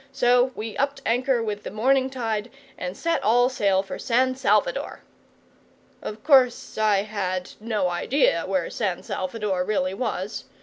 So we upped anchor with the morning tide, and set all sail for San Salvador. Of course I had no idea where San Salvador really was.